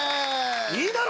いいだろ！